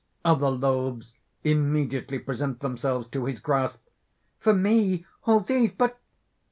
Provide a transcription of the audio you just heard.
Other loaves immediately present themselves to his grasp._) "For me!... all these! But